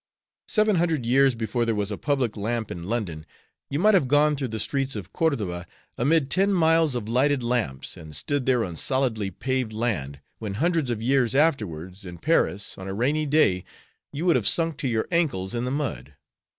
Seven hundred years before there was a public lamp in London you might have gone through the streets of Cordova amid ten miles of lighted lamps, and stood there on solidly paved land, when hundreds of years afterwards, in Paris, on a rainy day you would have sunk to your ankles in the mud.